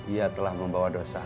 ia telah membawa dosanya